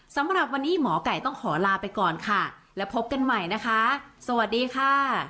สำหรับวันนี้หมอไก่ต้องขอลาไปก่อนค่ะแล้วพบกันใหม่นะคะสวัสดีค่ะ